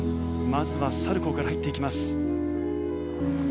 まずはサルコウから入っていきます。